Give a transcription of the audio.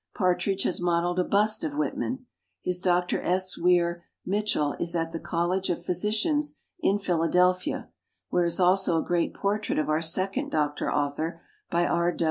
Partridge has modeled a bust of Whitman. His Dr. S. Weir MitcheU is at the CoUege of Physicians in Philadelphia, where is also a great portrait of our second doc tor author by R.